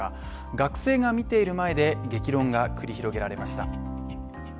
学生が見ている前で激論が繰り広げられました。